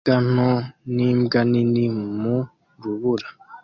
Imbwa nto n'imbwa nini mu rubura